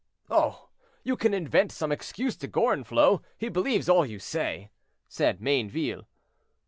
"Oh! you can invent some excuse to Gorenflot; he believes all you say," said Mayneville.